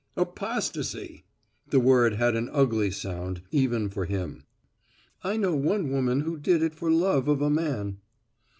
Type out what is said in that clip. "Apostasy!" The word had an ugly sound even for him. "I know one woman who did it for love of a man."